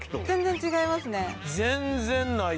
全然違いますね。